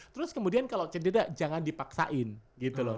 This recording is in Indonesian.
terus kemudian kalau cedera jangan dipaksain gitu loh